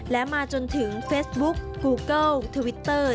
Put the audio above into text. และมาจนถึงเฟซบุ๊กกูเกิลทวิตเตอร์